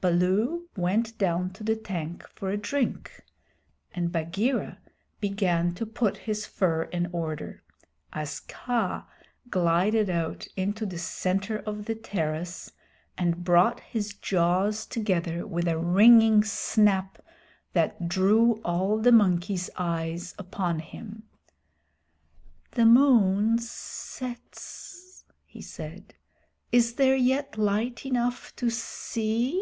Baloo went down to the tank for a drink and Bagheera began to put his fur in order, as Kaa glided out into the center of the terrace and brought his jaws together with a ringing snap that drew all the monkeys' eyes upon him. "The moon sets," he said. "Is there yet light enough to see?"